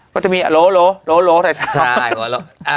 ก็จะมีโลใส่เท้า